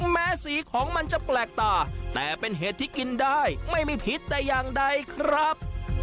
แม้สีของมันจะแปลกตาแต่เป็นเห็ดที่กินได้ไม่มีพิษแต่อย่างใดครับ